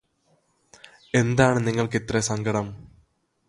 എന്താണ് നിങ്ങൾക്കിത്രേ സങ്കടം